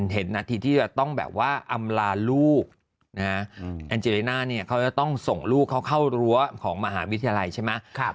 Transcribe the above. นาทีที่จะต้องแบบว่าอำลาลูกแอนเจริน่าเนี่ยเขาจะต้องส่งลูกเขาเข้ารั้วของมหาวิทยาลัยใช่ไหม